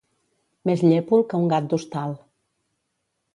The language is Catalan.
Més llépol que un gat d'hostal.